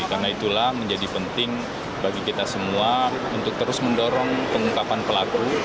karena itulah menjadi penting bagi kita semua untuk terus mendorong pengungkapan pelaku